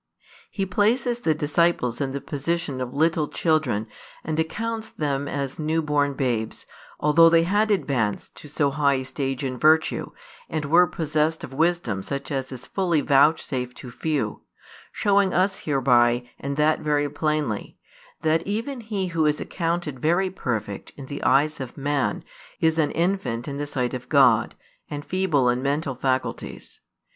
He places the disciples in the position of little children and accounts them as new born babes, although they had |212 advanced to so high a stage in virtue, and were possessed of wisdom such as is fully vouchsafed to few; showing us hereby, and that very plainly, that even he who is accounted very perfect in the eyes of man is an infant in the sight of God, and feeble in mental faculties.